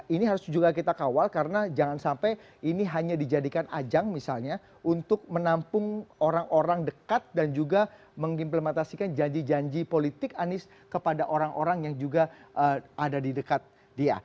ini harus juga kita kawal karena jangan sampai ini hanya dijadikan ajang misalnya untuk menampung orang orang dekat dan juga mengimplementasikan janji janji politik anies kepada orang orang yang juga ada di dekat dia